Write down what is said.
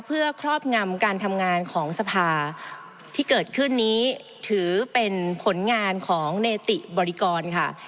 เพื่อครอบงำการทำงานของสภาที่เกิดขึ้นนี้ถือเป็นผลงานของเนติบริกรค่ะ